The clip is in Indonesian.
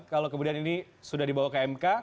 kalau kemudian ini sudah dibawa ke mk